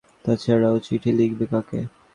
তা ছাড়া ও চিঠি লিখবে কাকে?